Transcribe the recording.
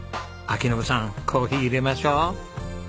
章伸さんコーヒーいれましょう。